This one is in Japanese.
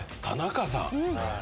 田中さん。